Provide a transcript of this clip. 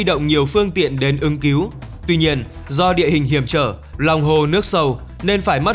động nhiều phương tiện đến ưng cứu tuy nhiên do địa hình hiểm trở lòng hồ nước sâu nên phải mất